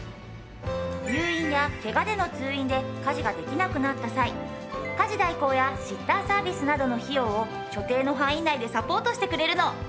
入院やケガでの通院で家事ができなくなった際家事代行やシッターサービスなどの費用を所定の範囲内でサポートしてくれるの。